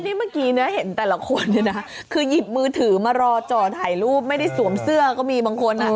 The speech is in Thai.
นี่เมื่อกี้นะเห็นแต่ละคนเนี่ยนะคือหยิบมือถือมารอจ่อถ่ายรูปไม่ได้สวมเสื้อก็มีบางคน